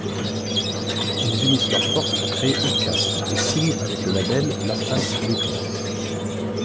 Ils unissent leurs forces pour créer OutKast et signent avec le label LaFace Records.